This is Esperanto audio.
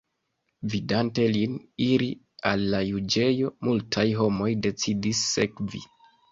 Vidante lin iri al la juĝejo, multaj homoj decidis sekvi.